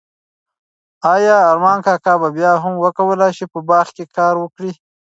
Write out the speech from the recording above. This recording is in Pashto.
ایا ارمان کاکا به بیا هم وکولای شي په باغ کې کار وکړي؟